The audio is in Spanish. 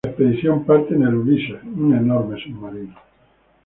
La expedición parte en el "Ulysses", un enorme submarino.